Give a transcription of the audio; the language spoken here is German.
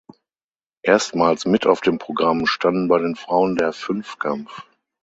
Erstmals mit auf dem Programm standen bei den Frauen der Fünfkampf.